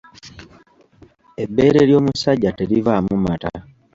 Ebbeere ly’omusajja terivaamu mata.